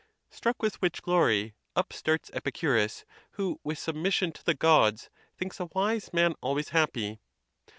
Struck with which glory, up starts Epicurus, who, with submission to the Gods, thinks a wise man always happy.